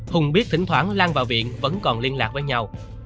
hùng biết thỉnh thoảng lan vào viện vẫn còn liên lạc với nhau